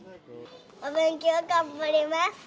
お勉強頑張ります。